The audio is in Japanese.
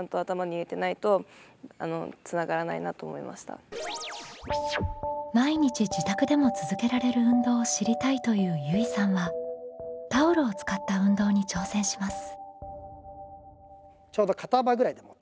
例えば「毎日自宅でも続けられる運動を知りたい」というゆいさんはタオルを使った運動に挑戦します。